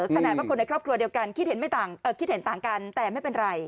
ขนาดว่าคนในครอบครัวเดียวกันคิดเห็นต่างกันแต่ไม่เป็นไร